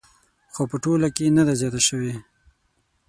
خو په ټوله کې نه ده زیاته شوې